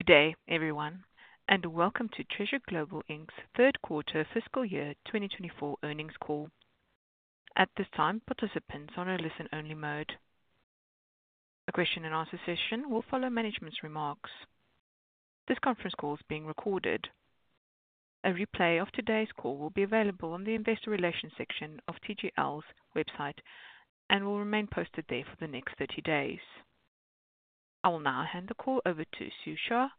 Good day, everyone, and welcome to Treasure Global Inc.'s Third Quarter Fiscal Year 2024 Earnings Call. At this time, participants are on a listen-only mode. A question-and-answer session will follow management's remarks. This conference call is being recorded. A replay of today's call will be available on the investor relations section of TGL's website and will remain posted there for the next 30 days. I will now hand the call over to Sue Chuah,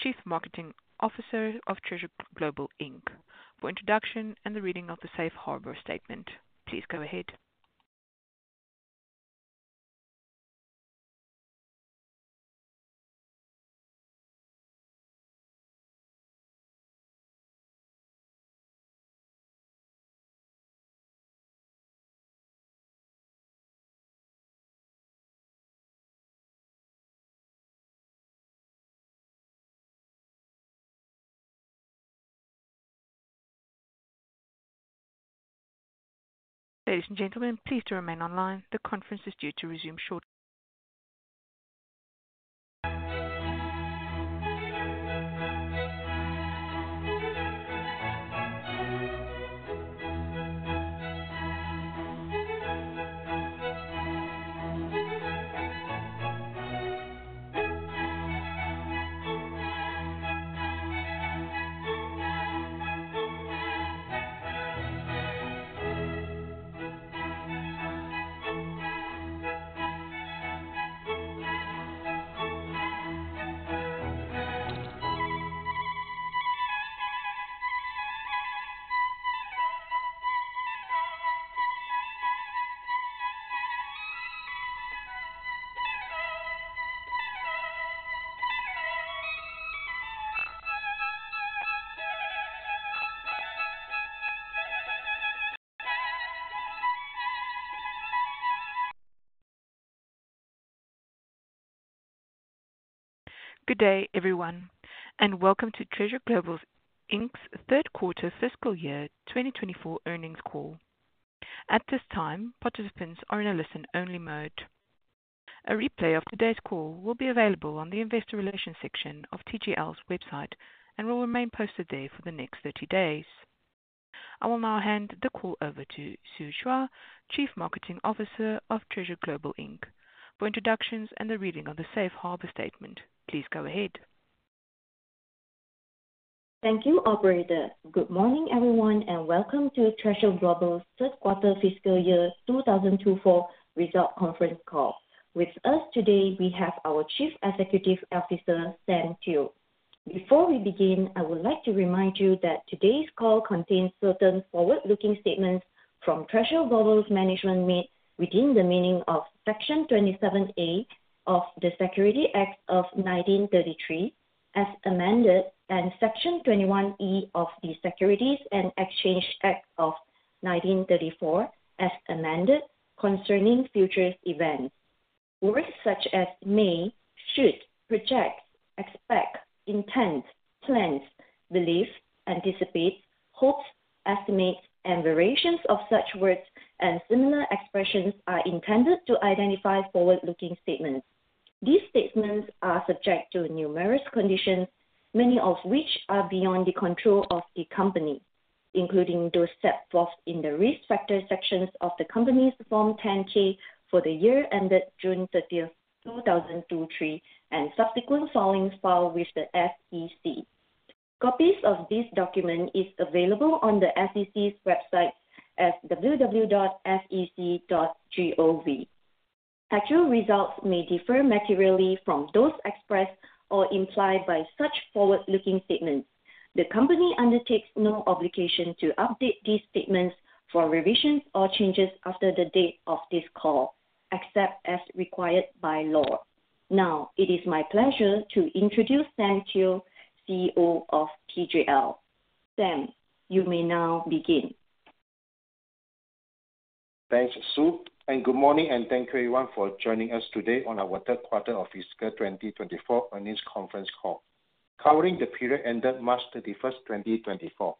Chief Marketing Officer of Treasure Global Inc., for introduction and the reading of the safe harbor statement. Please go ahead. Ladies and gentlemen, please do remain online. The conference is due to resume shortly. Good day, everyone, and welcome to Treasure Global Inc.'s third quarter fiscal year 2024 earnings call. At this time, participants are on a listen-only mode. A replay of today's call will be available on the investor relations section of TGL's website and will remain posted there for the next 30 days. I will now hand the call over to Sue Chuah, Chief Marketing Officer of Treasure Global Inc., for introductions and the reading of the safe harbor statement. Please go ahead. Thank you, Operator. Good morning, everyone, and welcome to Treasure Global's third quarter fiscal year 2024 results conference call. With us today, we have our Chief Executive Officer, Sam Teo. Before we begin, I would like to remind you that today's call contains certain forward-looking statements from Treasure Global's management made within the meaning of Section 27A of the Securities Act of 1933, as amended, and Section 21E of the Securities Exchange Act of 1934, as amended, concerning future events. Words such as may, should, project, expect, intend, plans, believe, anticipate, hopes, estimate, and variations of such words and similar expressions are intended to identify forward-looking statements. These statements are subject to numerous conditions, many of which are beyond the control of the company, including those set forth in the risk factors sections of the company's Form 10-K for the year ended June 30th, 2023, and subsequent filings filed with the SEC. Copies of this document are available on the SEC's website at www.sec.gov. Actual results may differ materially from those expressed or implied by such forward-looking statements. The company undertakes no obligation to update these statements for revisions or changes after the date of this call, except as required by law. Now, it is my pleasure to introduce Sam Teo, CEO of TGL. Sam Teo, you may now begin. Thanks, Sue, and good morning, and thank you, everyone, for joining us today on our third quarter of fiscal 2024 earnings conference call, covering the period ended March 31st, 2024.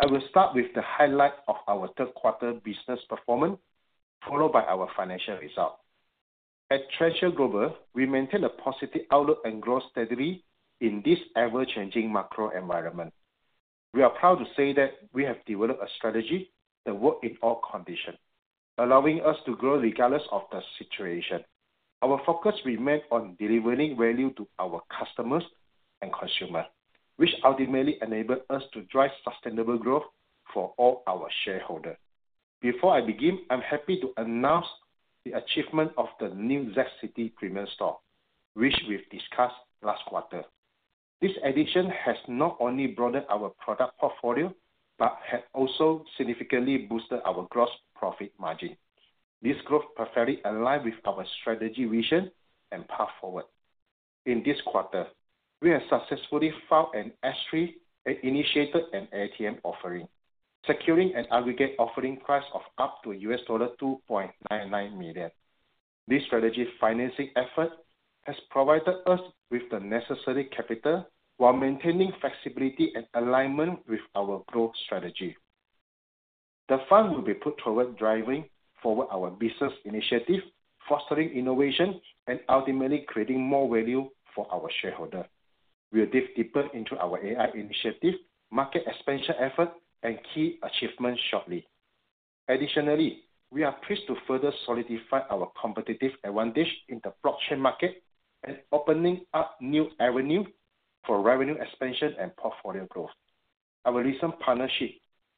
I will start with the highlights of our third quarter business performance, followed by our financial results. At Treasure Global, we maintain a positive outlook and grow steadily in this ever-changing macro environment. We are proud to say that we have developed a strategy that works in all conditions, allowing us to grow regardless of the situation. Our focus remains on delivering value to our customers and consumers, which ultimately enables us to drive sustainable growth for all our shareholders. Before I begin, I'm happy to announce the achievement of the new ZCITY Premium Store, which we've discussed last quarter. This addition has not only broadened our product portfolio but has also significantly boosted our gross profit margin. This growth perfectly aligns with our strategy vision and path forward. In this quarter, we have successfully filed an S-3 and initiated an ATM offering, securing an aggregate offering price of up to $2.99 million. This strategy financing effort has provided us with the necessary capital while maintaining flexibility and alignment with our growth strategy. The fund will be put toward driving forward our business initiative, fostering innovation, and ultimately creating more value for our shareholders. We'll dive deeper into our AI initiative, market expansion efforts, and key achievements shortly. Additionally, we are pleased to further solidify our competitive advantage in the blockchain market and open up new avenues for revenue expansion and portfolio growth. Our recent partnership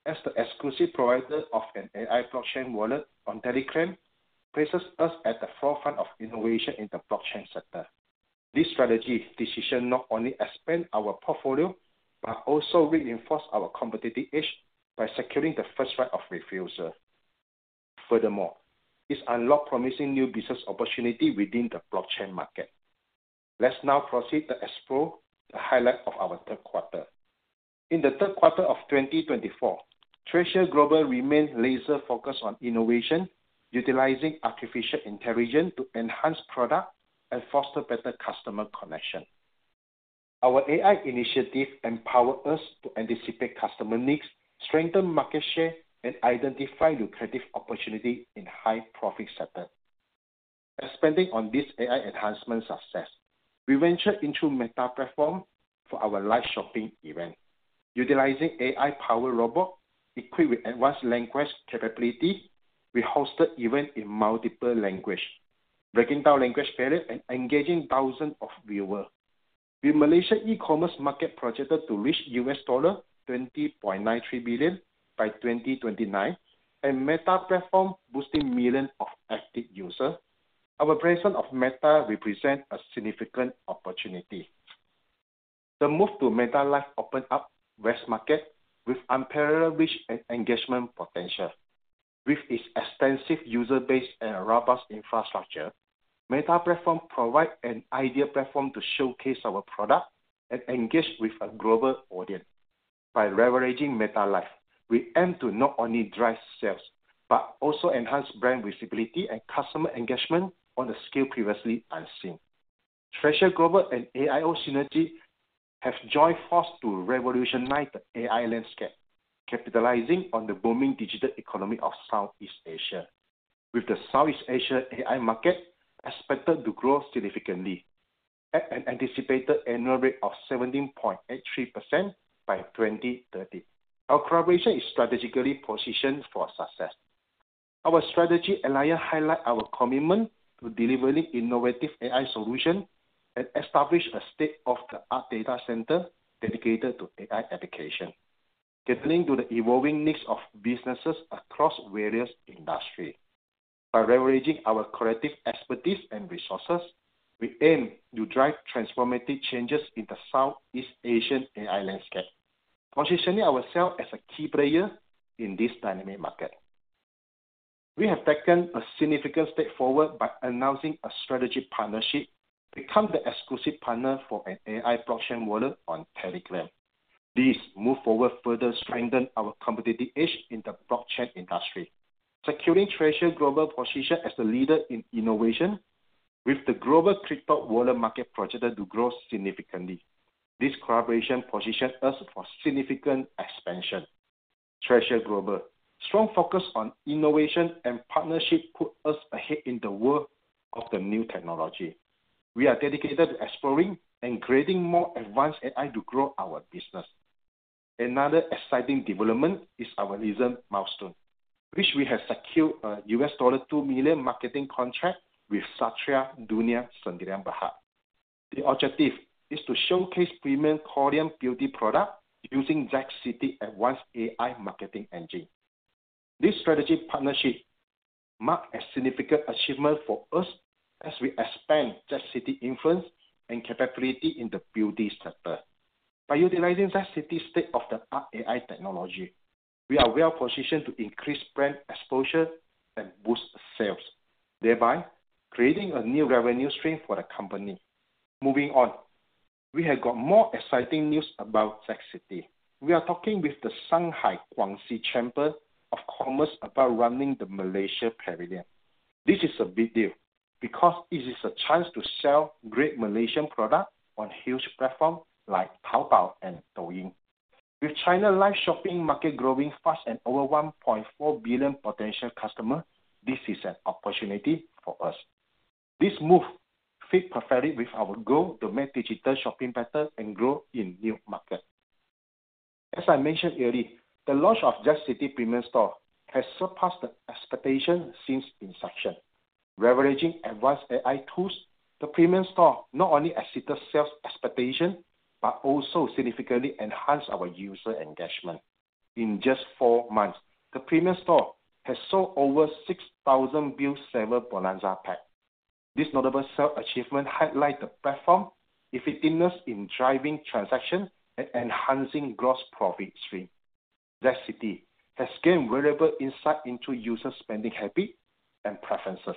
as the exclusive provider of an AI blockchain wallet on Telegram places us at the forefront of innovation in the blockchain sector. This strategy decision not only expands our portfolio but also reinforces our competitive edge by securing the first right of refusal. Furthermore, it unlocks promising new business opportunities within the blockchain market. Let's now proceed to explore the highlights of our third quarter. In the third quarter of 2024, Treasure Global remains laser-focused on innovation, utilizing artificial intelligence to enhance products and foster better customer connections. Our AI initiative empowers us to anticipate customer needs, strengthen market share, and identify lucrative opportunities in high-profit sectors. Expanding on this AI enhancement success, we ventured into Meta Platform for our live shopping event. Utilizing AI-powered robots equipped with advanced language capabilities, we hosted events in multiple languages, breaking down language barriers and engaging thousands of viewers. With Malaysia's e-Commerce market projected to reach $20.93 billion by 2029 and Meta Platform boosting millions of active users, our presence on Meta represents a significant opportunity. The move to Meta Live opened up the West market with unparalleled reach and engagement potential. With its extensive user base and robust infrastructure, Meta Platform provides an ideal platform to showcase our products and engage with a global audience. By leveraging Meta Live, we aim to not only drive sales but also enhance brand visibility and customer engagement on a scale previously unseen. Treasure Global and AIO Synergy have joined forces to revolutionize the AI landscape, capitalizing on the booming digital economy of Southeast Asia. With the Southeast Asia AI market expected to grow significantly, at an anticipated annual rate of 17.83% by 2030, our collaboration is strategically positioned for success. Our strategic alliance highlights our commitment to delivering innovative AI solutions and establishing a state-of-the-art data center dedicated to AI education, catering to the evolving needs of businesses across various industries. By leveraging our collective expertise and resources, we aim to drive transformative changes in the Southeast Asian AI landscape, positioning ourselves as a key player in this dynamic market. We have taken a significant step forward by announcing a strategic partnership to become the exclusive partner for an AI blockchain wallet on Telegram. This move forward further strengthens our competitive edge in the blockchain industry, securing Treasure Global's position as a leader in innovation. With the global crypto wallet market projected to grow significantly, this collaboration positions us for significant expansion. Treasure Global's strong focus on innovation and partnership puts us ahead in the world of the new technology. We are dedicated to exploring and creating more advanced AI to grow our business. Another exciting development is our recent milestone, which we have secured a $2 million marketing contract with Satria Dunia Sdn. Bhd. The objective is to showcase premium Korean beauty products using ZCITY's advanced AI marketing engine. This strategic partnership marks a significant achievement for us as we expand ZCITY's influence and capability in the beauty sector. By utilizing ZCITY's state-of-the-art AI technology, we are well positioned to increase brand exposure and boost sales, thereby creating a new revenue stream for the company. Moving on, we have got more exciting news about ZCITY. We are talking with the Shanghai Guangxi Chamber of Commerce about running the Malaysia Pavilion. This is a big deal because it is a chance to sell great Malaysian products on huge platforms like Taobao and Douyin. With China's live shopping market growing fast and over 1.4 billion potential customers, this is an opportunity for us. This move fits perfectly with our goal to make digital shopping better and grow in new markets. As I mentioned earlier, the launch of ZCITY's Premium Store has surpassed expectations since its inception. Leveraging advanced AI tools, the Premium Store not only exceeded sales expectations but also significantly enhanced our user engagement. In just four months, the Premium Store has sold over 6,000 Bill-Saver Bonanza Packs. This notable sales achievement highlights the platform's effectiveness in driving transactions and enhancing gross profit streams. ZCITY has gained valuable insight into users' spending habits and preferences,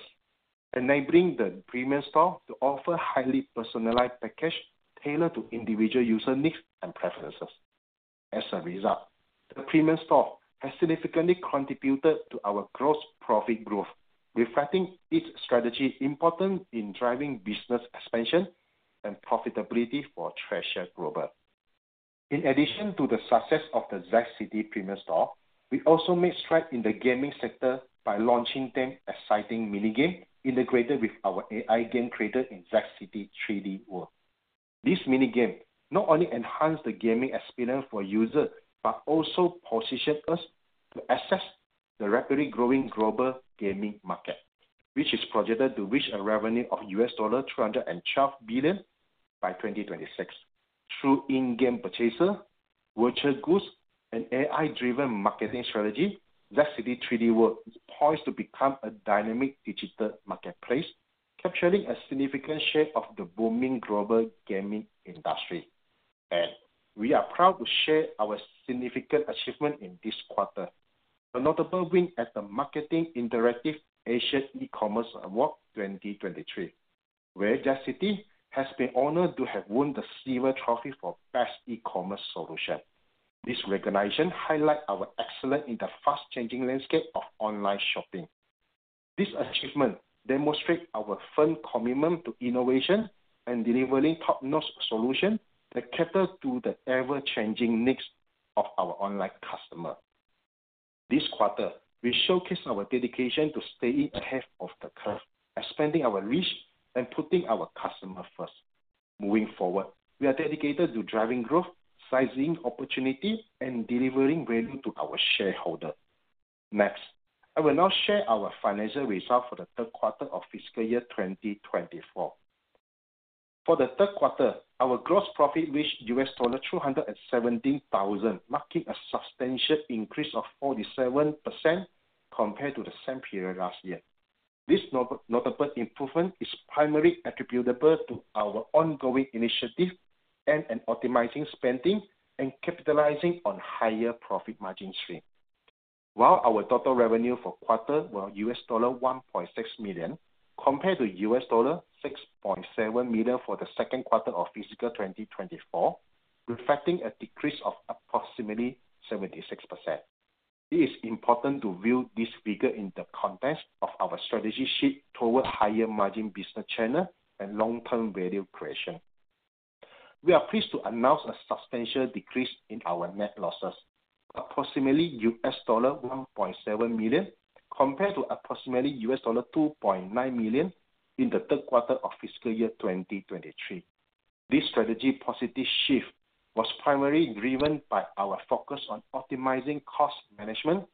enabling the Premium Store to offer highly personalized packages tailored to individual user needs and preferences. As a result, the Premium Store has significantly contributed to our gross profit growth, reflecting its strategy's importance in driving business expansion and profitability for Treasure Global. In addition to the success of the ZCITY Premium Store, we also made strides in the gaming sector by launching an exciting mini-game integrated with our AI Game Creator in ZCITY's 3D World. This mini-game not only enhances the gaming experience for users but also positions us to access the rapidly growing global gaming market, which is projected to reach a revenue of $212 billion by 2026. Through in-game purchases, virtual goods, and AI-driven marketing strategies, ZCITY's 3D World is poised to become a dynamic digital marketplace, capturing a significant share of the booming global gaming industry. We are proud to share our significant achievement in this quarter, a notable win at the Marketing-Interactive Asia eCommerce Awards 2023, where ZCITY has been honored to have won the Silver Trophy for Best E-Commerce Solution. This recognition highlights our excellence in the fast-changing landscape of online shopping. This achievement demonstrates our firm commitment to innovation and delivering top-notch solutions that cater to the ever-changing needs of our online customers. This quarter, we showcased our dedication to staying ahead of the curve, expanding our reach, and putting our customers first. Moving forward, we are dedicated to driving growth, sizing opportunities, and delivering value to our shareholders. Next, I will now share our financial results for the third quarter of fiscal year 2024. For the third quarter, our gross profit reached $217,000, marking a substantial increase of 47% compared to the same period last year. This notable improvement is primarily attributable to our ongoing initiatives in optimizing spending and capitalizing on higher profit margin streams. While our total revenue for the quarter was $1.6 million compared to $6.7 million for the second quarter of fiscal year 2024, reflecting a decrease of approximately 76%, it is important to view this figure in the context of our strategy shift towards higher-margin business channels and long-term value creation. We are pleased to announce a substantial decrease in our net losses, approximately $1.7 million compared to approximately $2.9 million in the third quarter of fiscal year 2023. This strategic positive shift was primarily driven by our focus on optimizing cost management,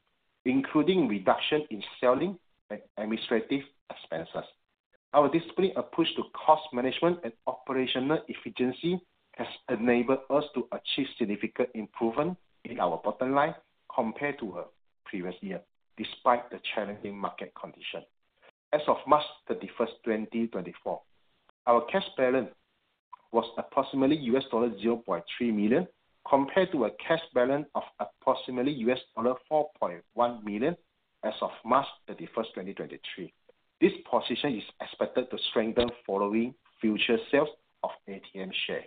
including reductions in selling and administrative expenses. Our disciplined approach to cost management and operational efficiency has enabled us to achieve significant improvements in our bottom line compared to the previous year, despite the challenging market conditions. As of March 31st, 2024, our cash balance was approximately $0.3 million compared to a cash balance of approximately $4.1 million as of March 31st, 2023. This position is expected to strengthen following future sales of ATM shares.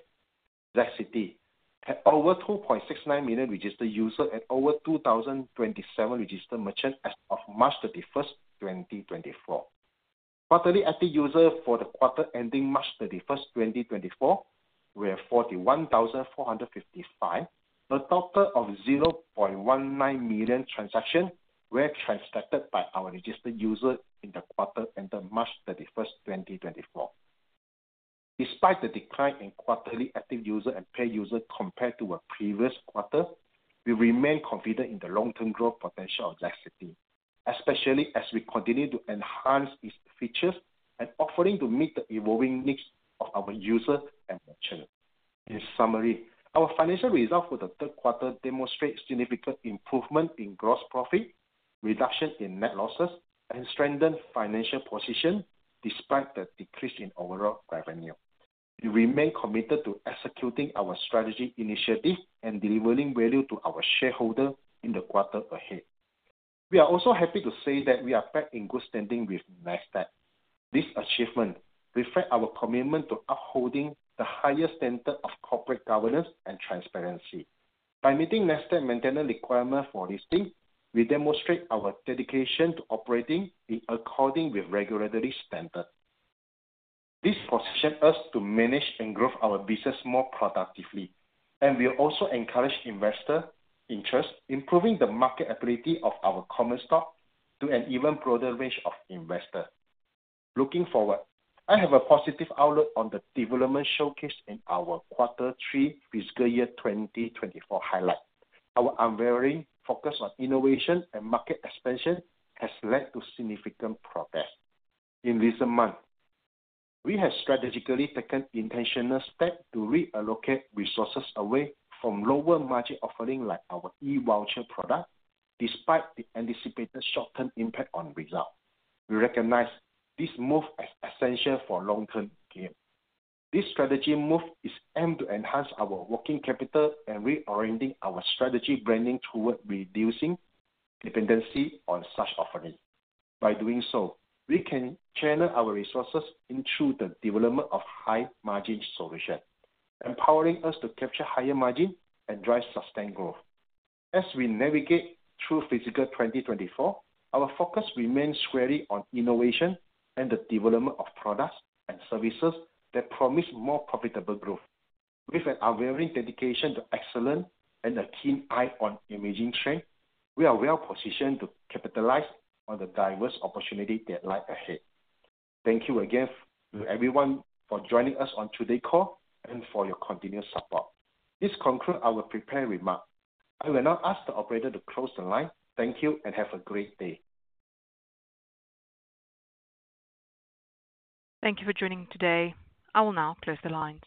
ZCITY had over 2.69 million registered users and over 2,027 registered merchants as of March 31st, 2024. Quarterly active users for the quarter ending March 31st, 2024, were 41,455. A total of 0.19 million transactions were transacted by our registered users in the quarter ending March 31st, 2024. Despite the decline in quarterly active users and paid users compared to the previous quarter, we remain confident in the long-term growth potential of ZCITY, especially as we continue to enhance its features and offerings to meet the evolving needs of our users and merchants. In summary, our financial results for the third quarter demonstrate significant improvements in gross profit, reductions in net losses, and strengthened financial positions despite the decrease in overall revenue. We remain committed to executing our strategic initiatives and delivering value to our shareholders in the quarter ahead. We are also happy to say that we are back in good standing with Nasdaq. This achievement reflects our commitment to upholding the highest standards of corporate governance and transparency. By meeting Nasdaq's maintenance requirements for listing, we demonstrate our dedication to operating in accordance with regulatory standards. This positions us to manage and grow our business more productively, and we also encourage investor interest, improving the marketability of our common stock to an even broader range of investors. Looking forward, I have a positive outlook on the developments showcased in our Quarter three fiscal year 2024 highlights. Our unwavering focus on innovation and market expansion has led to significant progress. In recent months, we have strategically taken intentional steps to reallocate resources away from lower-margin offerings like our E-voucher products, despite the anticipated short-term impact on results. We recognize this move as essential for long-term gains. This strategic move aims to enhance our working capital and reorient our strategic branding towards reducing dependency on such offerings. By doing so, we can channel our resources into the development of high-margin solutions, empowering us to capture higher margins and drive sustained growth. As we navigate through fiscal year 2024, our focus remains squarely on innovation and the development of products and services that promise more profitable growth. With an unwavering dedication to excellence and a keen eye on emerging trends, we are well positioned to capitalize on the diverse opportunities that lie ahead. Thank you again to everyone for joining us on today's call and for your continued support. This concludes our prepared remarks. I will now ask the operator to close the line. Thank you, and have a great day. Thank you for joining today. I will now close the lines.